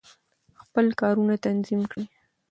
خپل کارونه تنظیم کړئ.